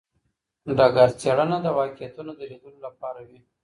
ډګر څېړنه د واقعیتونو د لیدلو لپاره وي.